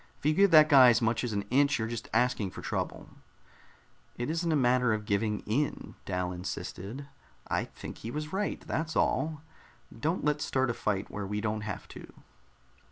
"If you give that guy as much as an inch, you're just asking for trouble." "It isn't a matter of giving in," Dal insisted. "I think he was right, that's all. Don't let's start a fight where we don't have to."